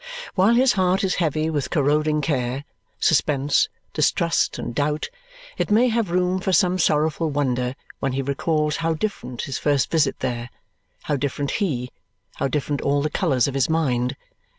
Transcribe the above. While his heart is heavy with corroding care, suspense, distrust, and doubt, it may have room for some sorrowful wonder when he recalls how different his first visit there, how different he, how different all the colours of his mind.